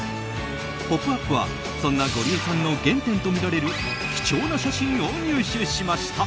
「ポップＵＰ！」はそんなゴリエさんの原点とみられる貴重な写真を入手しました。